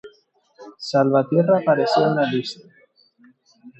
Salvatierra apareció en la lista.